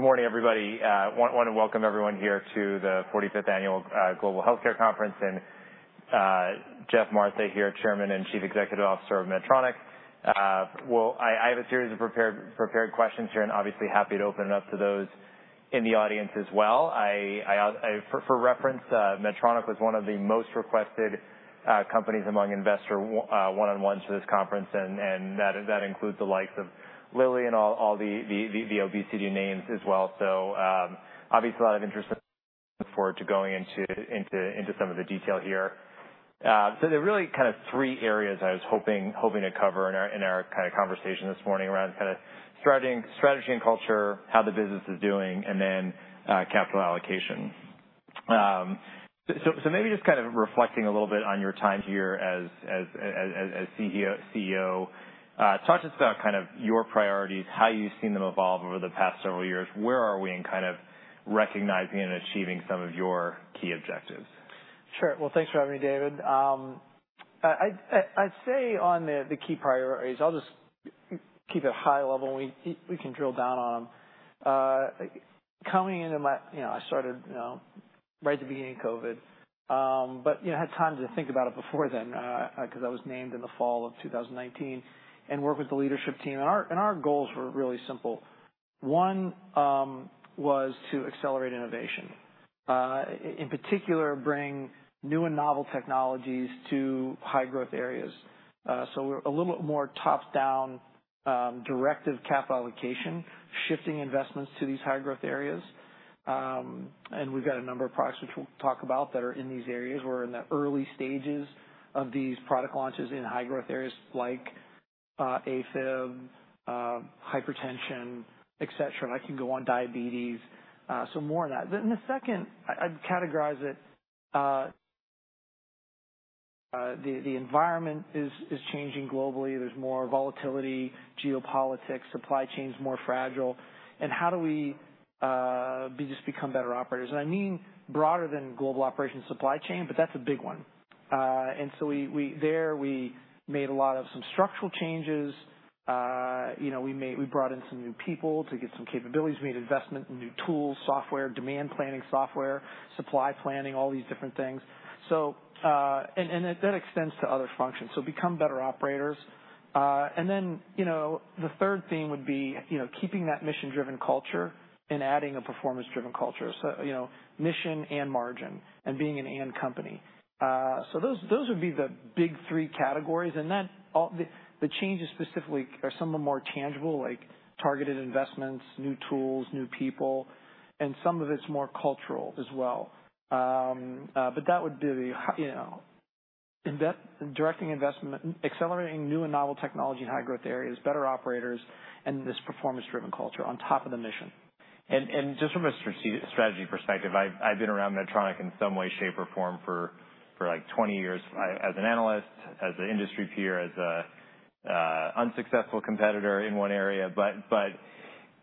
Good morning, everybody. Want to welcome everyone here to the 45th Annual Global Healthcare Conference. And Geoff Martha here, Chairman and Chief Executive Officer of Medtronic. Well, I have a series of prepared questions here and obviously happy to open it up to those in the audience as well. For reference, Medtronic was one of the most requested companies among investor one-on-ones for this conference. And that includes the likes of Lilly and all the obesity names as well. So, obviously a lot of interest in, look forward to going into some of the detail here. So there are really kind of three areas I was hoping to cover in our conversation this morning around strategy and culture, how the business is doing, and then capital allocation. So, maybe just kind of reflecting a little bit on your time here as CEO, talk to us about kind of your priorities, how you've seen them evolve over the past several years. Where are we in kind of recognizing and achieving some of your key objectives? Sure. Well, thanks for having me, David. I'd say on the key priorities, I'll just keep it high level. We can drill down on them. Coming into my role, you know, I started right at the beginning of COVID. But you know, had time to think about it before then, 'cause I was named in the fall of 2019 and worked with the leadership team. And our goals were really simple. One was to accelerate innovation, in particular, bring new and novel technologies to high-growth areas. So we're a little bit more top-down, directive cap allocation, shifting investments to these high-growth areas. And we've got a number of products which we'll talk about that are in these areas. We're in the early stages of these product launches in high-growth areas like AFib, hypertension, etc. And I can go on diabetes, so more on that. Then the second, I'd categorize it, the environment is changing globally. There's more volatility, geopolitics, supply chains more fragile. And how do we just become better operators? And I mean broader than global operations supply chain, but that's a big one. And so we there, we made a lot of some structural changes. You know, we made, we brought in some new people to get some capabilities. We made investment in new tools, software, demand planning software, supply planning, all these different things. So and that extends to other functions. So become better operators. And then, you know, the third theme would be, you know, keeping that mission-driven culture and adding a performance-driven culture. So, you know, mission and margin and being an and company. So those would be the big three categories. And then all the changes specifically are some of them more tangible, like targeted investments, new tools, new people. And some of it's more cultural as well. But that would be the, you know, invest directing investment, accelerating new and novel technology in high-growth areas, better operators, and this performance-driven culture on top of the mission. And just from a strategy perspective, I've been around Medtronic in some way, shape, or form for like 20 years as an analyst, as an industry peer, as an unsuccessful competitor in one area. But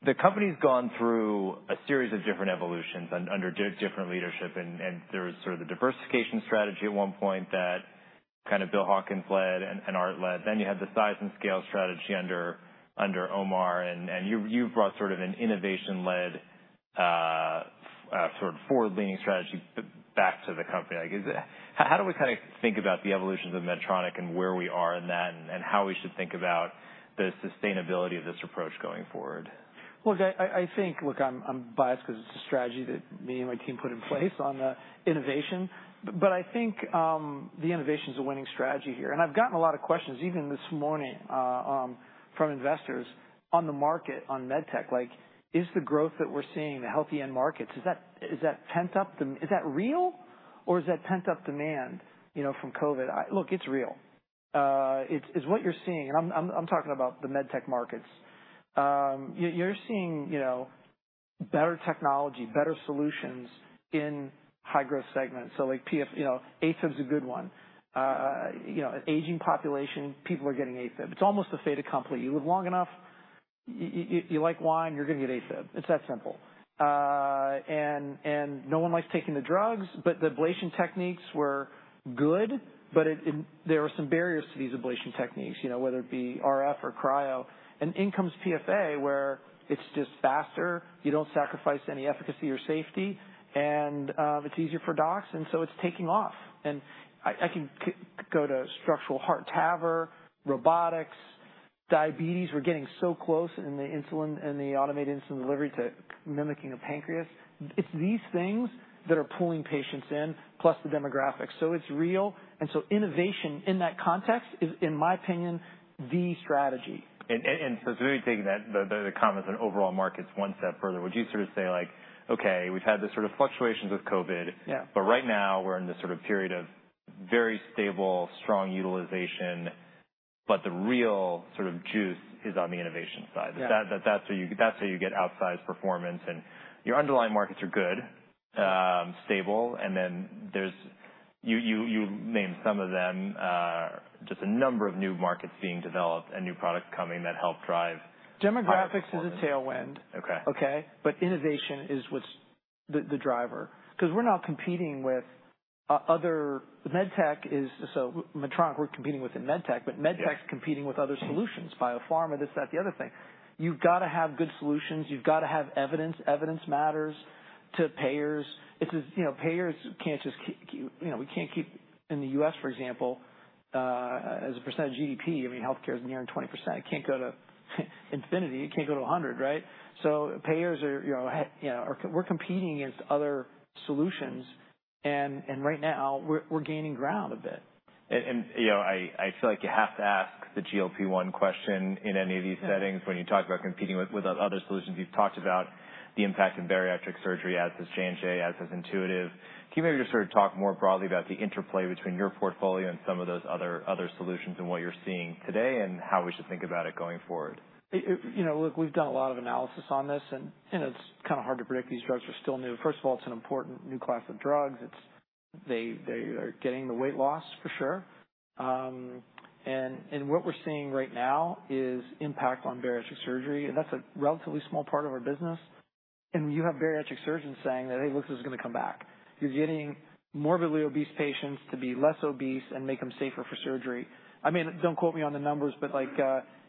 the company's gone through a series of different evolutions under different leadership. And there was sort of the diversification strategy at one point that kind of Bill Hawkins led and Art led. Then you had the size and scale strategy under Omar. And you've brought sort of an innovation-led, sort of forward-leaning strategy back to the company. Like, how do we kind of think about the evolutions of Medtronic and where we are in that and how we should think about the sustainability of this approach going forward? Well, I think, look, I'm biased 'cause it's a strategy that me and my team put in place on innovation. But I think the innovation's a winning strategy here. And I've gotten a lot of questions even this morning from investors on the market on med tech. Like, is the growth that we're seeing, the healthy end markets, is that pent-up demand? Is that real or is that pent-up demand, you know, from COVID? Look, it's real. It's what you're seeing. And I'm talking about the med tech markets. You're seeing, you know, better technology, better solutions in high-growth segments. So like PFA, you know, AFib's a good one. You know, aging population, people are getting AFib. It's almost a fait accompli. You live long enough, like wine, you're gonna get AFib. It's that simple. No one likes taking the drugs, but the ablation techniques were good, but there were some barriers to these ablation techniques, you know, whether it be RF or cryo. And in comes PFA where it's just faster. You don't sacrifice any efficacy or safety. And it's easier for docs. And so it's taking off. And I can go to structural heart TAVR, robotics, diabetes. We're getting so close in the insulin and the automated insulin delivery to mimicking a pancreas. It's these things that are pulling patients in plus the demographics. So it's real. And so innovation in that context is, in my opinion, the strategy. So, sort of taking that, the comments on overall markets one step further, would you sort of say like, okay, we've had this sort of fluctuations with COVID? Yeah. But right now we're in this sort of period of very stable, strong utilization, but the real sort of juice is on the innovation side. Yeah. That's where you get outsized performance. And your underlying markets are good, stable. And then there's you named some of them, just a number of new markets being developed and new products coming that help drive the. Demographics is a tailwind. Okay. Okay? But innovation is what's the driver. 'Cause we're not competing with other med tech, so Medtronic, we're competing within med tech, but med tech's competing with other solutions, biopharma, this, that, the other thing. You've gotta have good solutions. You've gotta have evidence. Evidence matters to payers. It's as, you know, payers can't just keep, you know, we can't keep in the U.S., for example, as a percent of GDP, I mean, healthcare's nearing 20%. It can't go to infinity. It can't go to 100, right? So payers are, you know, you know, we're competing against other solutions. And right now we're gaining ground a bit. You know, I feel like you have to ask the GLP-1 question in any of these settings when you talk about competing with other solutions. You've talked about the impact of bariatric surgery as has changed, as has Intuitive. Can you maybe just sort of talk more broadly about the interplay between your portfolio and some of those other solutions and what you're seeing today and how we should think about it going forward? You know, look, we've done a lot of analysis on this and, and it's kind of hard to predict these drugs are still new. First of all, it's an important new class of drugs. It's, they, they are getting the weight loss for sure. And, and what we're seeing right now is impact on bariatric surgery. And that's a relatively small part of our business. And you have bariatric surgeons saying that, hey, look, this is gonna come back. You're getting morbidly obese patients to be less obese and make them safer for surgery. I mean, don't quote me on the numbers, but like,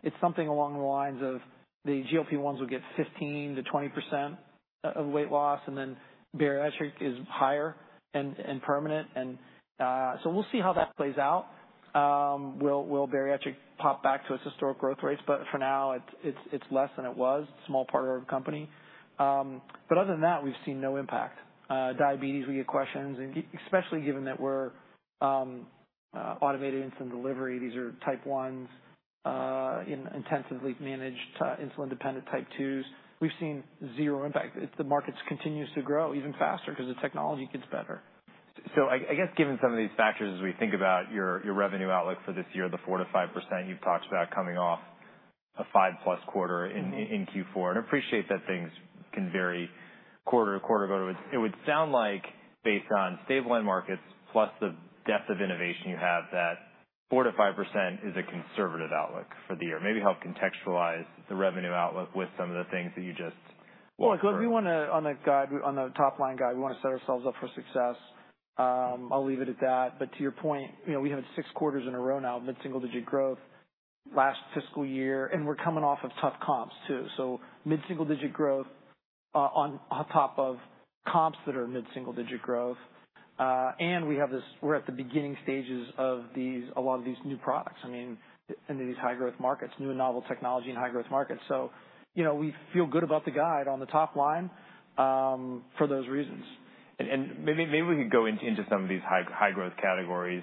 it's something along the lines of the GLP-1s will get 15%-20% of weight loss and then bariatric is higher and, and permanent. And, so we'll see how that plays out. Will, will bariatric pop back to its historic growth rates? But for now it's less than it was, small part of our company. But other than that, we've seen no impact. Diabetes, we get questions and especially given that we're automated insulin delivery. These are Type 1s, intensively managed, insulin-dependent Type 2s. We've seen zero impact. It's the markets continues to grow even faster 'cause the technology gets better. So I guess given some of these factors as we think about your revenue outlook for this year, the 4%-5% you've talked about coming off a 5%+ quarter in Q4. I appreciate that things can vary quarter to quarter. It would sound like based on stable end markets plus the depth of innovation you have, that 4%-5% is a conservative outlook for the year. Maybe help contextualize the revenue outlook with some of the things that you just. Well, look, we want to, on the guide, on the top line guide, we want to set ourselves up for success. I'll leave it at that. But to your point, you know, we have six quarters in a row now of mid-single digit growth last fiscal year. And we're coming off of tough comps too. So mid-single digit growth, on top of comps that are mid-single digit growth. And we have this, we're at the beginning stages of these, a lot of these new products. I mean, into these high-growth markets, new and novel technology in high-growth markets. So, you know, we feel good about the guide on the top line, for those reasons. And maybe we could go into some of these high-growth categories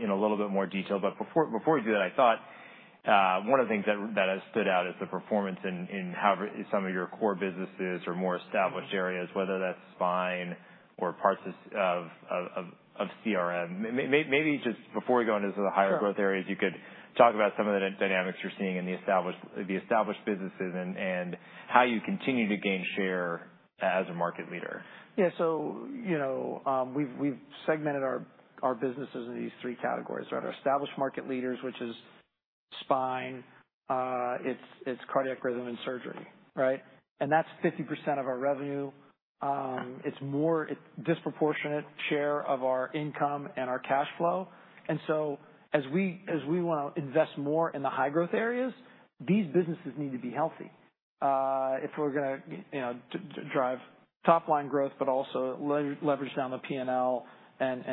in a little bit more detail. But before we do that, I thought one of the things that has stood out is the performance in how some of your core businesses or more established areas, whether that's spine or parts of CRM. Maybe just before we go into the higher growth areas, you could talk about some of the dynamics you're seeing in the established businesses and how you continue to gain share as a market leader. Yeah. So, you know, we've segmented our businesses in these three categories, right? Our established market leaders, which is Spine, Cardiac Rhythm and Surgery, right? And that's 50% of our revenue. It's more, it's disproportionate share of our income and our cash flow. And so as we want to invest more in the high-growth areas, these businesses need to be healthy. If we're gonna, you know, drive top-line growth, but also leverage down the P&L and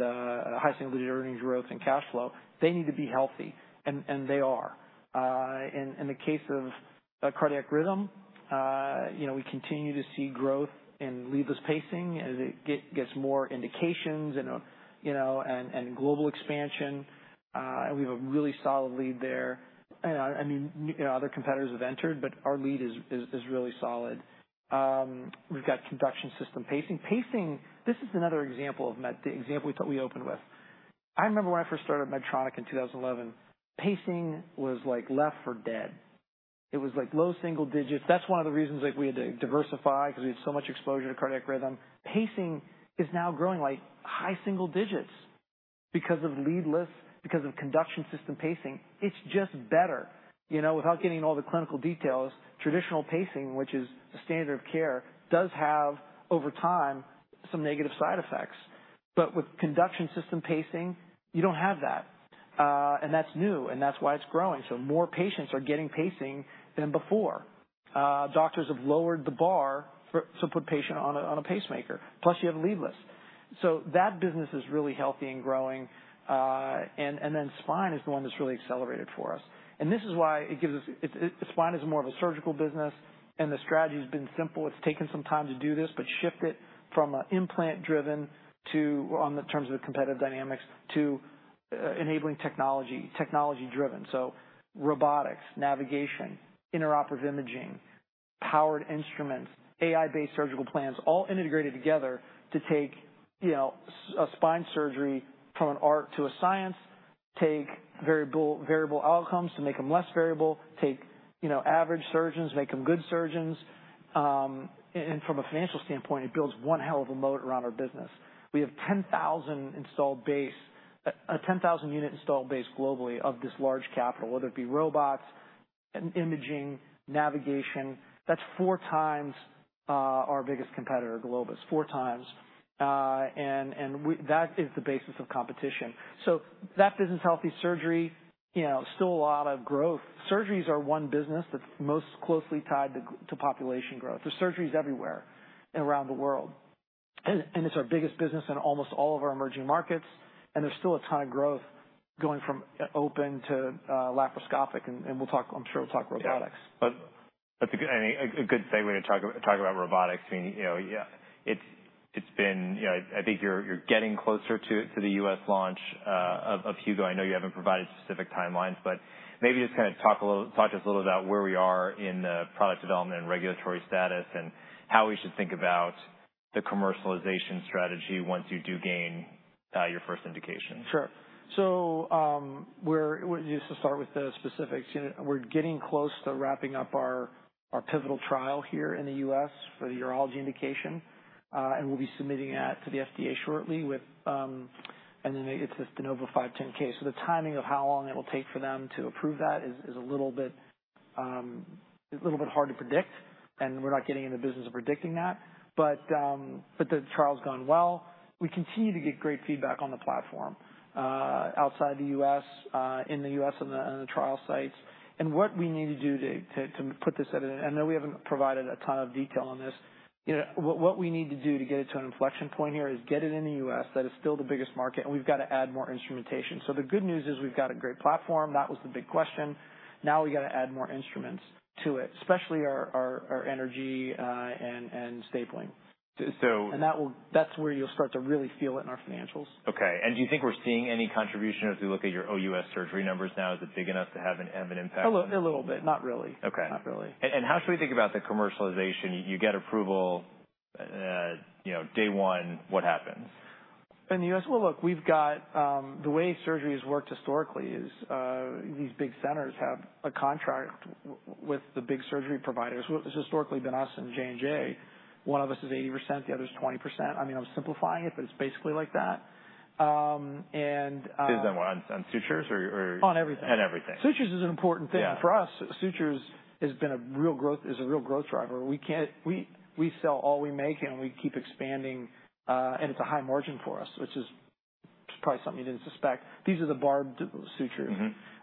high single digit earnings growth and cash flow, they need to be healthy. And they are. In the case of Cardiac Rhythm, you know, we continue to see growth in leadless pacing as it gets more indications and, you know, global expansion. And we have a really solid lead there. I mean, you know, other competitors have entered, but our lead is really solid. We've got conduction system pacing. Pacing, this is another example of Medtronic, the example we thought we opened with. I remember when I first started at Medtronic in 2011, pacing was like left for dead. It was like low single digits. That's one of the reasons like we had to diversify 'cause we had so much exposure to cardiac rhythm. Pacing is now growing like high single digits because of leadless, because of conduction system pacing. It's just better, you know, without getting all the clinical details. Traditional pacing, which is a standard of care, does have over time some negative side effects. But with conduction system pacing, you don't have that. And that's new and that's why it's growing. So more patients are getting pacing than before. Doctors have lowered the bar for to put patient on a pacemaker. Plus you have leadless. So that business is really healthy and growing. Then spine is the one that's really accelerated for us. And this is why it gives us. It, spine is more of a surgical business and the strategy has been simple. It's taken some time to do this, but shift it from an implant-driven to, in terms of the competitive dynamics to, enabling technology, technology-driven. So robotics, navigation, intraoperative imaging, powered instruments, AI-based surgical plans, all integrated together to take, you know, a spine surgery from an art to a science, take variable outcomes to make them less variable, take, you know, average surgeons, make them good surgeons. And from a financial standpoint, it builds one hell of a moat around our business. We have a 10,000 installed base, a 10,000 unit installed base globally of this large capital, whether it be robots, imaging, navigation. That's 4 times our biggest competitor, Globus, 4 times, and that is the basis of competition. So that business, healthy surgery, you know, still a lot of growth. Surgeries are one business that's most closely tied to population growth. There's surgeries everywhere around the world. And it's our biggest business in almost all of our emerging markets. And there's still a ton of growth going from open to laparoscopic. And we'll talk, I'm sure we'll talk robotics. Yeah. But that's a good, I mean, a good segue to talk about robotics. I mean, you know, it's been, you know, I think you're getting closer to the U.S. launch of Hugo. I know you haven't provided specific timelines, but maybe just kind of talk to us a little about where we are in the product development and regulatory status and how we should think about the commercialization strategy once you do gain your first indication. Sure. So, we're just to start with the specifics, you know, we're getting close to wrapping up our pivotal trial here in the U.S. for the urology indication, and we'll be submitting that to the FDA shortly with, and then it's this De Novo 510(k). So the timing of how long it'll take for them to approve that is a little bit hard to predict. And we're not getting in the business of predicting that. But the trial's gone well. We continue to get great feedback on the platform, outside the U.S., in the U.S. and the trial sites. And what we need to do to put this at an, I know we haven't provided a ton of detail on this. You know, what we need to do to get it to an inflection point here is get it in the U.S. That is still the biggest market. And we've gotta add more instrumentation. So the good news is we've got a great platform. That was the big question. Now we gotta add more instruments to it, especially our energy, and stapling. So. That's where you'll start to really feel it in our financials. Okay. Do you think we're seeing any contribution as we look at your OUS surgery numbers now? Is it big enough to have an impact? A little, a little bit. Not really. Okay. Not really. How should we think about the commercialization? You get approval, you know, day one, what happens? In the U.S., well, look, we've got, the way surgeries worked historically is, these big centers have a contract with the big surgery providers. It's historically been us and J&J. One of us is 80%, the other's 20%. I mean, I'm simplifying it, but it's basically like that. and, Is that on, on sutures or, or? On everything. And everything. Sutures is an important thing. Yeah. For us. Sutures has been a real growth, is a real growth driver. We can't, we sell all we make and we keep expanding. It's a high margin for us, which is probably something you didn't suspect. These are the barbed sutures.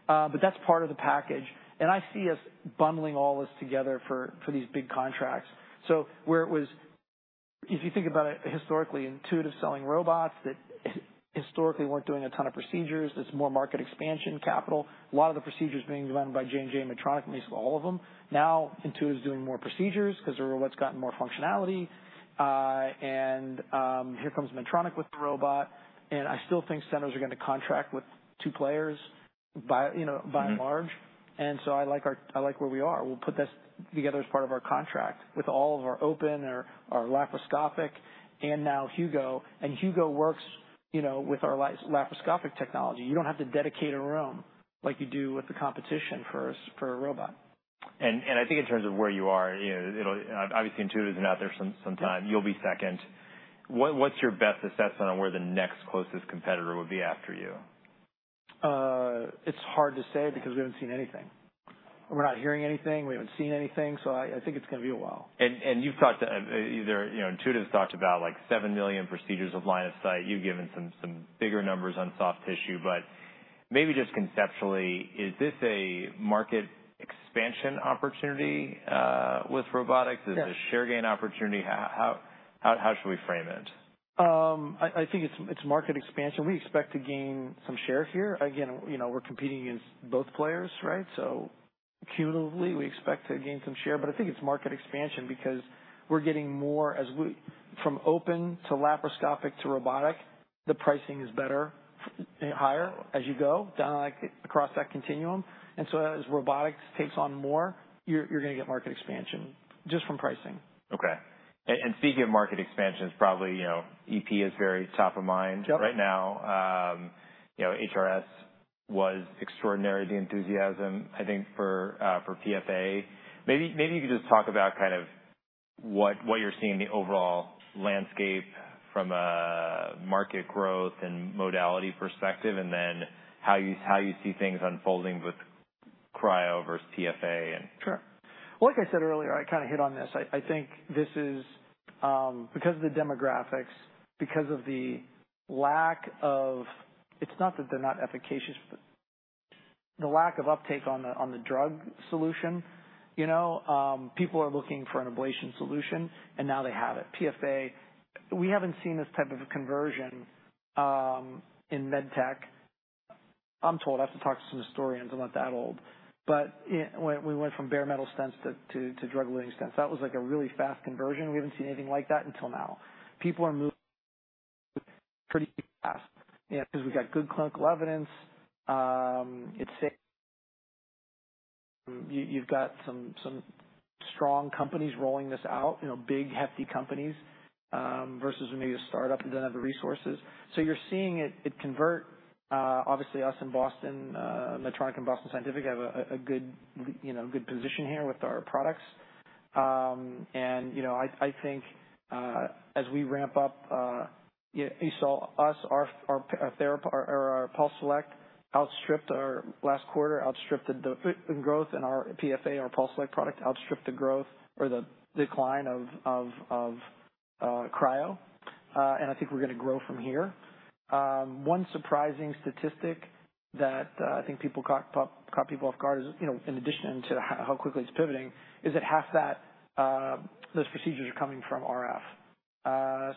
But that's part of the package. And I see us bundling all this together for these big contracts. So where it was, if you think about it historically, Intuitive's selling robots that historically weren't doing a ton of procedures. It's more market expansion capital. A lot of the procedures being done by J&J and Medtronic, at least all of them. Now Intuitive's doing more procedures 'cause the robots gotten more functionality. And here comes Medtronic with the robot. And I still think centers are gonna contract with two players by, you know, by and large. And so I like our, I like where we are. We'll put this together as part of our contract with all of our open or our laparoscopic and now Hugo. And Hugo works, you know, with our laparoscopic technology. You don't have to dedicate a room like you do with the competition for a robot. I think in terms of where you are, you know, it'll obviously Intuitive's been out there some time. You'll be second. What's your best assessment on where the next closest competitor would be after you? It's hard to say because we haven't seen anything. We're not hearing anything. We haven't seen anything. So I, I think it's gonna be a while. And you've talked to either, you know, Intuitive's talked about like 7 million procedures of line of sight. You've given some bigger numbers on soft tissue. But maybe just conceptually, is this a market expansion opportunity with robotics? Is it a share gain opportunity? How should we frame it? I think it's market expansion. We expect to gain some share here. Again, you know, we're competing against both players, right? So cumulatively, we expect to gain some share. But I think it's market expansion because we're getting more as we from open to laparoscopic to robotic, the pricing is better, higher as you go down across that continuum. And so as robotics takes on more, you're gonna get market expansion just from pricing. Okay. And speaking of market expansion, it's probably, you know, EP is very top of mind right now. Yep. You know, HRS was extraordinary, the enthusiasm, I think, for PFA. Maybe you could just talk about kind of what you're seeing, the overall landscape from a market growth and modality perspective, and then how you see things unfolding with Cryo versus PFA and. Sure. Well, like I said earlier, I kind of hit on this. I think this is, because of the demographics, because of the lack of, it's not that they're not efficacious, but the lack of uptake on the drug solution, you know, people are looking for an ablation solution and now they have it. PFA, we haven't seen this type of conversion in med tech. I'm told I have to talk to some historians and let that old. But we went from bare metal stents to drug-eluting stents. That was like a really fast conversion. We haven't seen anything like that until now. People are moving pretty fast, you know, 'cause we've got good clinical evidence. It's safe. You've got some strong companies rolling this out, you know, big hefty companies, versus maybe a startup that doesn't have the resources. So you're seeing it convert. Obviously, us in Boston, Medtronic and Boston Scientific have a good, you know, good position here with our products. And, you know, I think, as we ramp up, you saw us, our PulseSelect outstripped our last quarter, outstripped the growth in our PFA, our PulseSelect product, outstripped the growth or the decline of Cryo. And I think we're gonna grow from here. One surprising statistic that, I think people caught people off guard is, you know, in addition to how quickly it's pivoting, is that half that, those procedures are coming from RF.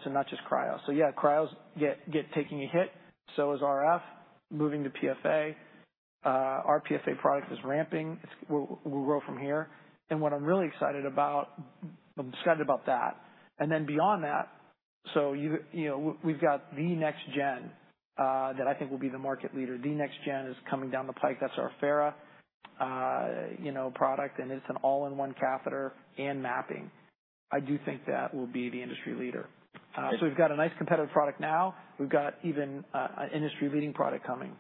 So not just Cryo. So yeah, Cryo's taking a hit. So is RF moving to PFA. Our PFA product is ramping. It's, we'll grow from here. What I'm really excited about, I'm excited about that. Then beyond that, so you know, we've got the next gen, that I think will be the market leader. The next gen is coming down the pike. That's our Affera, you know, product. And it's an all-in-one catheter and mapping. I do think that will be the industry leader. So we've got a nice competitive product now. We've got even an industry-leading product coming.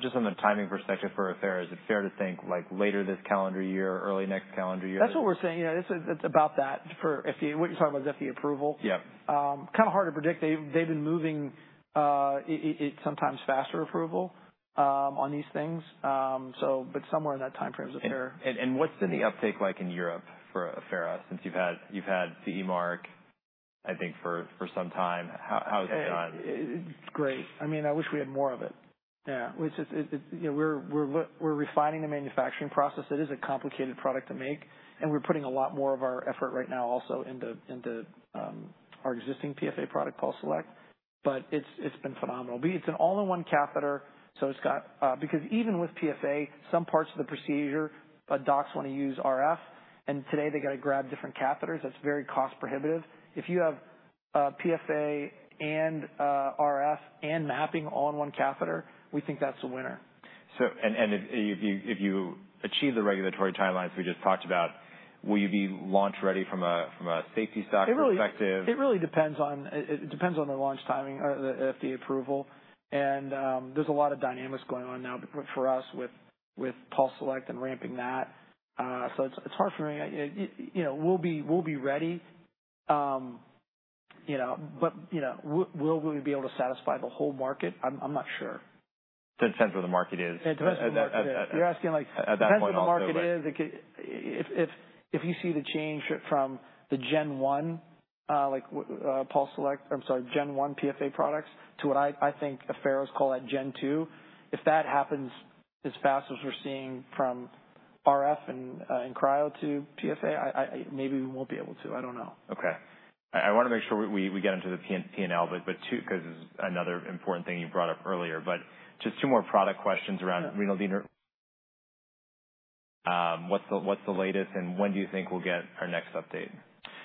Just on the timing perspective for Affera, is it fair to think like later this calendar year, early next calendar year? That's what we're saying. You know, it's about that for FDA. What you're talking about is FDA approval. Yep. kind of hard to predict. They've been moving it sometimes faster approval on these things. So, but somewhere in that timeframe is Affera. What's been the uptake like in Europe for Affera since you've had CE Mark, I think, for some time? How has it gone? It's great. I mean, I wish we had more of it. Yeah. It's just, you know, we're refining the manufacturing process. It is a complicated product to make. And we're putting a lot more of our effort right now also into our existing PFA product, PulseSelect. But it's been phenomenal. It's an all-in-one catheter. So it's got, because even with PFA, some parts of the procedure, docs wanna use RF. And today they gotta grab different catheters. That's very cost-prohibitive. If you have PFA and RF and mapping all-in-one catheter, we think that's a winner. So, if you achieve the regulatory timelines we just talked about, will you be launch ready from a safety stock perspective? It really depends on the launch timing or the FDA approval. And, there's a lot of dynamics going on now for us with PulseSelect and ramping that. So it's hard for me. You know, we'll be ready, you know, but, you know, will we be able to satisfy the whole market? I'm not sure. To the sense where the market is. Yeah. To the sense where the market, you're asking like. At that point of the market. To the sense where the market is, it could, if you see the change from the Gen 1, like, PulseSelect, I'm sorry, Gen 1 PFA products to what I think Affera's call that Gen 2, if that happens as fast as we're seeing from RF and Cryo to PFA, I maybe we won't be able to. I don't know. Okay. I wanna make sure we get into the PN, P&L, but two, 'cause it's another important thing you brought up earlier. But just two more product questions around renal. Sure. What's the latest and when do you think we'll get our next update?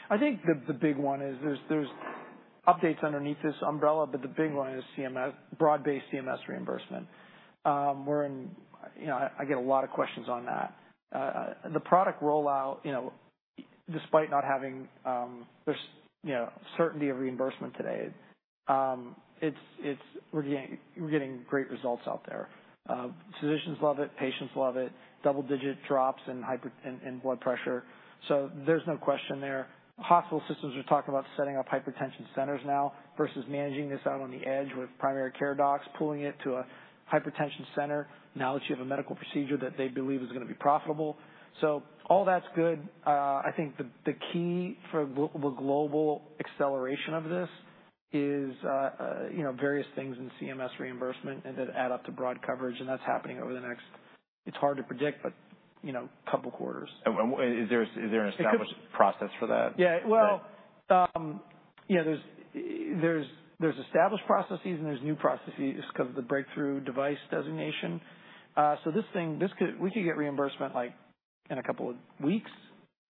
I think the big one is there's updates underneath this umbrella, but the big one is CMS, broad-based CMS reimbursement. We're in, you know, I get a lot of questions on that. The product rollout, you know, despite not having certainty of reimbursement today, it's we're getting great results out there. Physicians love it. Patients love it. Double-digit drops in blood pressure. So there's no question there. Hospital systems are talking about setting up hypertension centers now versus managing this out on the edge with primary care docs pulling it to a hypertension center now that you have a medical procedure that they believe is gonna be profitable. So all that's good. I think the key for the global acceleration of this is, you know, various things in CMS reimbursement and that add up to broad coverage. That's happening over the next. It's hard to predict, but, you know, couple quarters. Is there an established process for that? Yeah. Well, you know, there's established processes and there's new processes 'cause of the breakthrough device designation. So this thing could, we could get reimbursement like in a couple of weeks,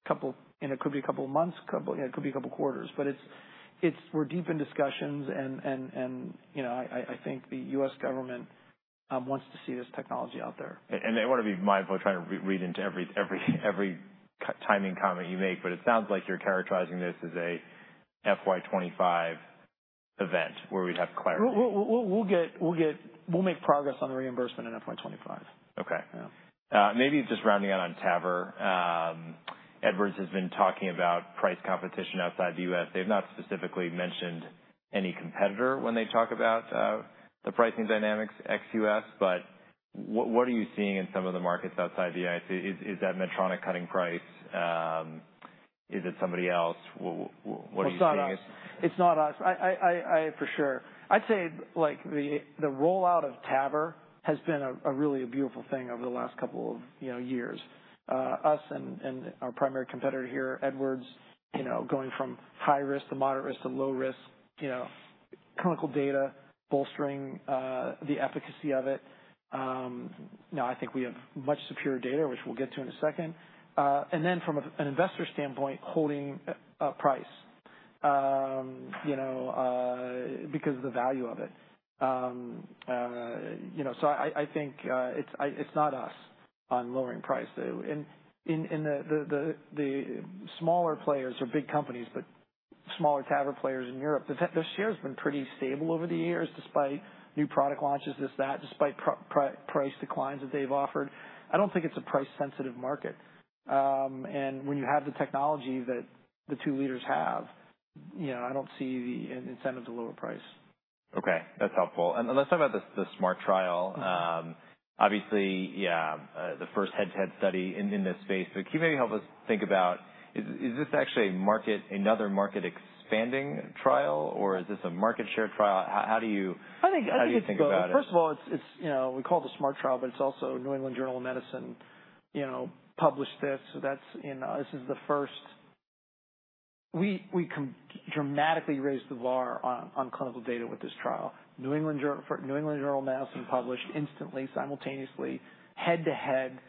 you know, it could be a couple of months, you know, it could be a couple quarters. But it's, we're deep in discussions and, you know, I think the U.S. government wants to see this technology out there. I wanna be mindful of trying to overread into every timing comment you make, but it sounds like you're characterizing this as a FY 2025 event where we'd have cryo. We'll make progress on the reimbursement in FY 2025. Okay. Yeah. Maybe just rounding out on TAVR, Edwards has been talking about price competition outside the U.S. They've not specifically mentioned any competitor when they talk about the pricing dynamics ex-U.S. But what, what are you seeing in some of the markets outside the U.S.? Is, is that Medtronic cutting price? Is it somebody else? What, what, what are you seeing? It's not us. It's not us. I for sure. I'd say like the rollout of TAVR has been a really beautiful thing over the last couple of, you know, years. Us and our primary competitor here, Edwards, you know, going from high risk to moderate risk to low risk, you know, clinical data bolstering the efficacy of it. Now I think we have much superior data, which we'll get to in a second. And then from an investor standpoint, holding a price, you know, because of the value of it. You know, so I think it's not us on lowering price. And in the smaller players or big companies, but smaller TAVR players in Europe, their share has been pretty stable over the years despite new product launches, this, that, despite price declines that they've offered. I don't think it's a price-sensitive market. When you have the technology that the two leaders have, you know, I don't see the incentive to lower price. Okay. That's helpful. And let's talk about this, the SMART trial. Obviously, yeah, the first head-to-head study in this space. But can you maybe help us think about, is this actually a market, another market expanding trial, or is this a market share trial? How do you think about it? I think it's, first of all, it's, you know, we call it the SMART trial, but it's also New England Journal of Medicine, you know, published this. So that's, you know, this is the first. We dramatically raised the bar on clinical data with this trial. New England Journal of Medicine published instantly, simultaneously, head-to-head.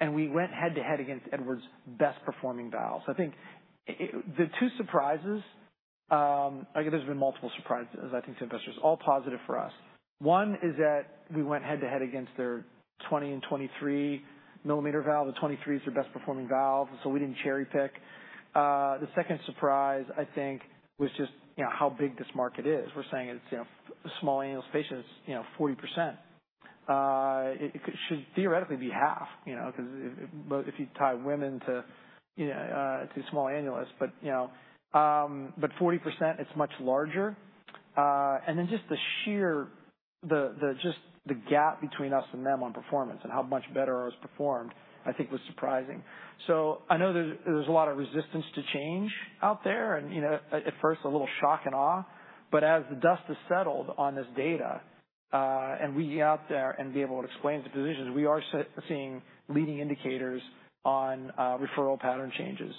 And we went head-to-head against Edwards' best-performing valve. So I think the two surprises, I guess there's been multiple surprises, I think, to investors, all positive for us. One is that we went head-to-head against their 20 and 23-mm valve. The 23 is their best-performing valve. So we didn't cherry pick. The second surprise, I guess, was just, you know, how big this market is. We're saying it's, you know, small annulus patients, you know, 40%. It should theoretically be half, you know, 'cause if, but if you tie women to, you know, to small annulus. But, you know, 40%, it's much larger. And then just the sheer gap between us and them on performance and how much better ours performed, I think was surprising. So I know there's a lot of resistance to change out there. And, you know, at first, a little shock and awe. But as the dust has settled on this data, and we get out there and be able to explain to physicians, we are seeing leading indicators on referral pattern changes,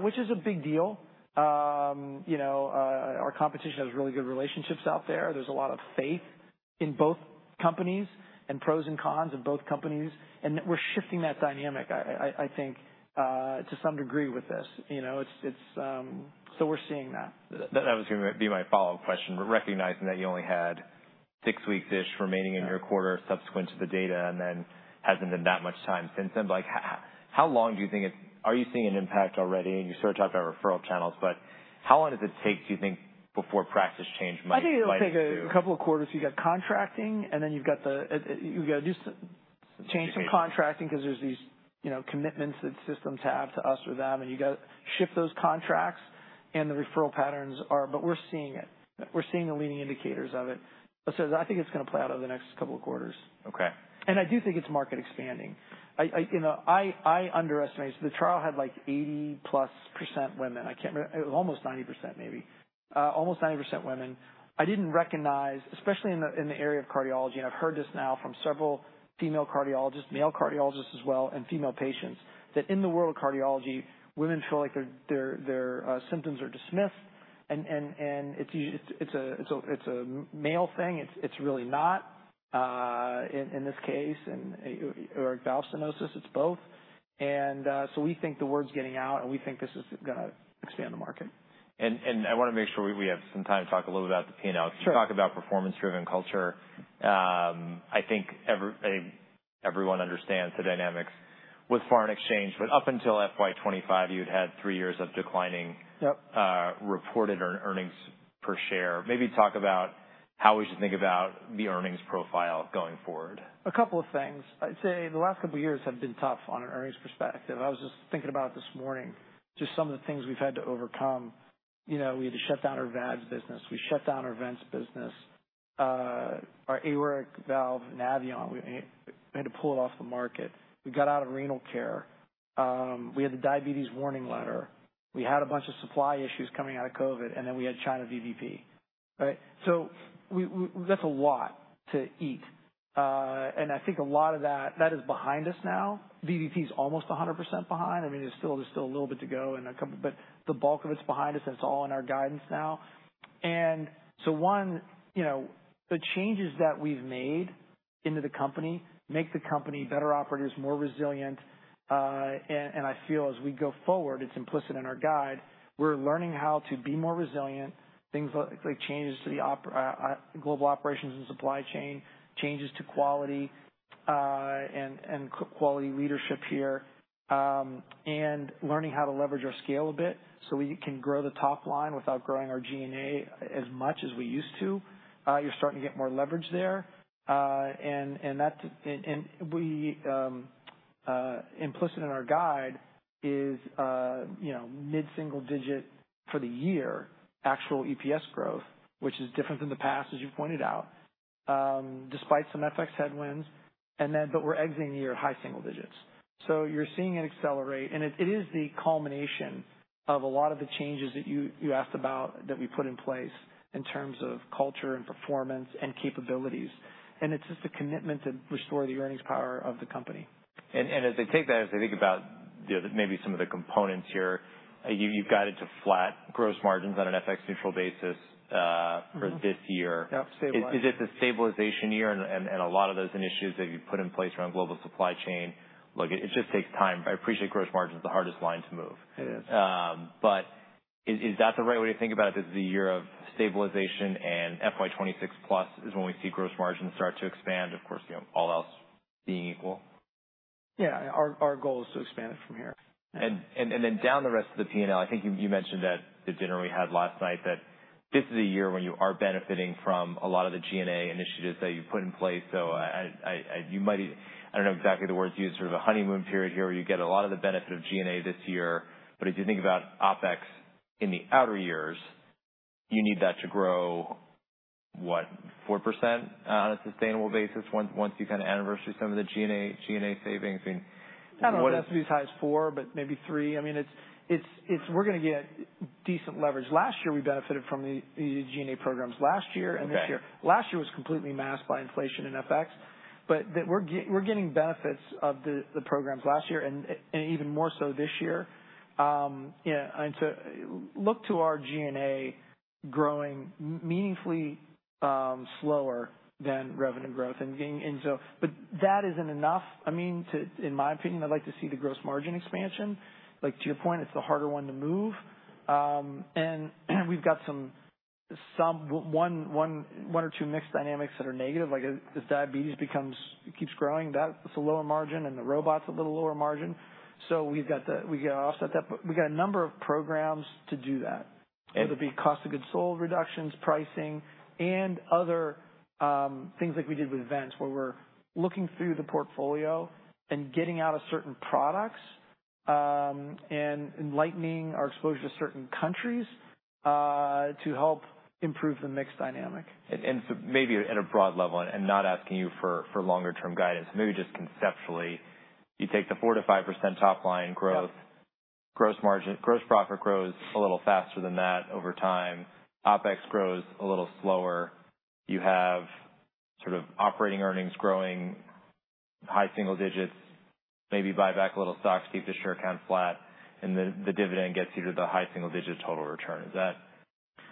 which is a big deal. You know, our competition has really good relationships out there. There's a lot of faith in both companies and pros and cons of both companies. We're shifting that dynamic, I think, to some degree with this. You know, it's so we're seeing that. That was gonna be my follow-up question, recognizing that you only had six weeks-ish remaining in your quarter subsequent to the data, and then hasn't been that much time since then. But like, how long do you think it's, are you seeing an impact already? And you sort of talked about referral channels, but how long does it take, do you think, before practice change might? I think it'll take a couple quarters. You got contracting, and then you've got the, you've got to do some change some contracting 'cause there's these, you know, commitments that systems have to us or them. And you gotta shift those contracts. And the referral patterns are, but we're seeing it. We're seeing the leading indicators of it. So I think it's gonna play out over the next couple of quarters. Okay. I do think it's market expanding. You know, I underestimated the trial had like 80%+ women. I can't remember. It was almost 90% maybe. Almost 90% women. I didn't recognize, especially in the area of cardiology, and I've heard this now from several female cardiologists, male cardiologists as well, and female patients, that in the world of cardiology, women feel like their symptoms are dismissed. And it's usually a male thing. It's really not, in this case, an aortic valve stenosis. It's both. So we think the word's getting out, and we think this is gonna expand the market. I wanna make sure we have some time to talk a little about the P&L. Sure. Can you talk about performance-driven culture? I think everyone understands the dynamics with foreign exchange. But up until FY 2025, you'd had three years of declining. Yep. Reported earnings per share. Maybe talk about how we should think about the earnings profile going forward. A couple of things. I'd say the last couple of years have been tough on an earnings perspective. I was just thinking about it this morning, just some of the things we've had to overcome. You know, we had to shut down our VADs business. We shut down our Vents business. Our aortic valve Navitor, we, we had to pull it off the market. We got out of renal care. We had the diabetes warning letter. We had a bunch of supply issues coming out of COVID. And then we had China VBP, right? So we, we, that's a lot to eat. And I think a lot of that, that is behind us now. VBP's almost 100% behind. I mean, there's still, there's still a little bit to go and a couple, but the bulk of it's behind us, and it's all in our guidance now. And so, you know, the changes that we've made into the company make the company better operators, more resilient. And I feel as we go forward, it's implicit in our guide, we're learning how to be more resilient. Things like changes to the op, global operations and supply chain, changes to quality, and quality leadership here. And learning how to leverage our scale a bit so we can grow the top line without growing our G&A as much as we used to. You're starting to get more leverage there. And that, implicit in our guide is, you know, mid-single-digit for the year, actual EPS growth, which is different than the past, as you pointed out, despite some FX headwinds. And then, but we're exiting the year at high single digits. So you're seeing it accelerate. It is the culmination of a lot of the changes that you asked about that we put in place in terms of culture and performance and capabilities. It's just a commitment to restore the earnings power of the company. And as I take that, as I think about, you know, maybe some of the components here, you've guided to flat gross margins on an FX neutral basis for this year. Yep. Stabilized. Is it the stabilization year and a lot of those initiatives that you've put in place around global supply chain? Look, it just takes time. I appreciate gross margin's the hardest line to move. It is. but is that the right way to think about it? This is a year of stabilization, and FY 2026+ is when we see gross margins start to expand, of course, you know, all else being equal. Yeah. Our goal is to expand it from here. And then down the rest of the P&L, I think you mentioned at the dinner we had last night that this is a year when you are benefiting from a lot of the G&A initiatives that you've put in place. So you might, I don't know exactly the words you used, sort of a honeymoon period here where you get a lot of the benefit of G&A this year. But as you think about OpEx in the outer years, you need that to grow what, 4% on a sustainable basis once you kind of anniversary some of the G&A savings. I mean. I don't know if that's to be tied to four, but maybe three. I mean, it's we're gonna get decent leverage. Last year, we benefited from the G&A programs last year and this year. Okay. Last year was completely masked by inflation and FX. But we're getting benefits of the programs last year and even more so this year. You know, and so look to our G&A growing meaningfully slower than revenue growth and getting in. So, but that isn't enough. I mean, to, in my opinion, I'd like to see the gross margin expansion. Like to your point, it's the harder one to move. And we've got some one or two mix dynamics that are negative. Like as diabetes keeps growing, that's a lower margin and the robot's a little lower margin. So we've got to offset that. But we've got a number of programs to do that. And. Whether it be cost of goods sold reductions, pricing, and other things like we did with Vents where we're looking through the portfolio and getting out of certain products, and enlightening our exposure to certain countries, to help improve the mixed dynamic. So maybe at a broad level and not asking you for longer-term guidance, maybe just conceptually, you take the 4%-5% top line growth. Yep. Gross margin, gross profit grows a little faster than that over time. OpEx grows a little slower. You have sort of operating earnings growing high single digits, maybe buy back a little stocks, keep the share count flat, and the, the dividend gets you to the high single digit total return. Is that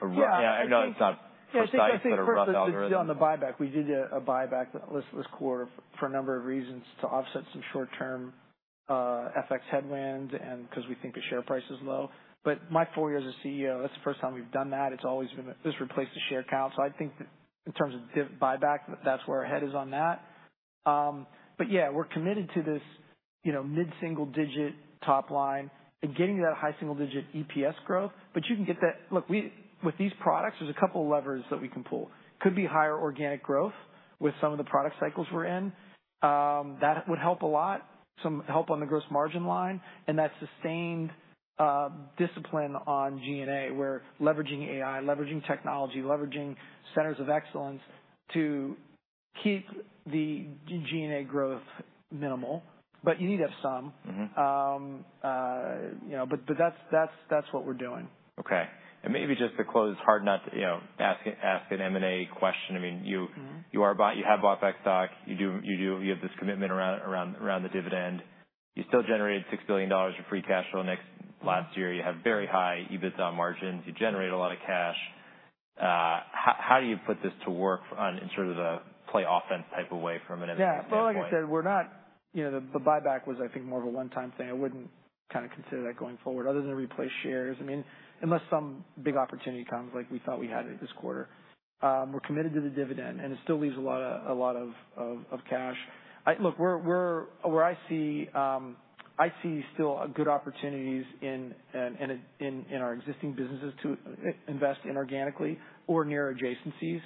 a rough? Yeah. Yeah. I know it's not precise, but a rough algorithm. Yeah. So I think we did on the buyback, we did a, a buyback this, this quarter for a number of reasons to offset some short-term, FX headwinds and 'cause we think the share price is low. But my four years as CEO, that's the first time we've done that. It's always been this replaced the share count. So I think that in terms of div buyback, that's where our head is on that. But yeah, we're committed to this, you know, mid-single digit top line and getting that high single digit EPS growth. But you can get that, look, we with these products, there's a couple of levers that we can pull. Could be higher organic growth with some of the product cycles we're in. That would help a lot, some help on the gross margin line. That sustained discipline on G&A, where leveraging AI, leveraging technology, leveraging centers of excellence to keep the G&A growth minimal. But you need to have some. You know, but that's what we're doing. Okay. And maybe just to close, it's hard not to, you know, ask an M&A question. I mean, you have bought back stock. You do, you have this commitment around the dividend. You still generated $6 billion in free cash flow next last year. You have very high EBITDA margins. You generate a lot of cash. How do you put this to work on in sort of the play offense type of way from an M&A perspective? Yeah. Well, like I said, we're not, you know, the buyback was, I think, more of a one-time thing. I wouldn't kind of consider that going forward other than replace shares. I mean, unless some big opportunity comes, like we thought we had this quarter. We're committed to the dividend, and it still leaves a lot of cash. Look, we're where I see. I see still good opportunities in our existing businesses to invest in organically or near adjacencies,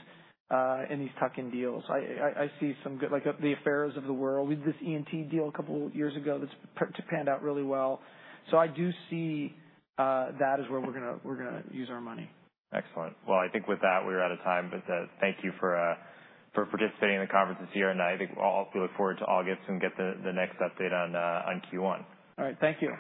in these tuck-in deals. I see some good, like the Affera world. We did this ENT deal a couple of years ago that's panned out really well. So I do see, that is where we're gonna use our money. Excellent. Well, I think with that, we're out of time. But, thank you for participating in the conference this year. And I think we'll all look forward to August and get the next update on Q1. All right. Thank you.